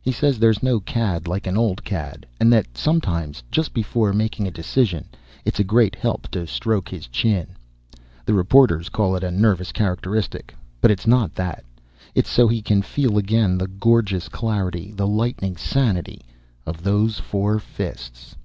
He says there's no cad like an old cad, and that sometimes just before making a decision, it's a great help to stroke his chin. The reporters call it a nervous characteristic, but it's not that. It's so he can feel again the gorgeous clarity, the lightning sanity of those four fists.